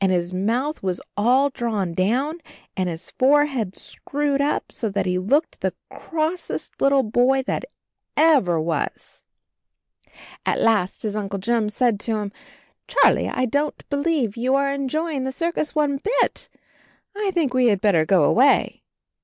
j « l» «\ I 4 A % 4 ♦A' ANB HIS KITTEN TOPSY 57 his mouth was all drawn down and his fore head screwed up so that he looked the Gross est little boy that ever was. At last his Uncle Jim said to him, "Charlie, I don't believe you are enjoying the circus one bit — I think we had better go away."